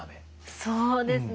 そうですね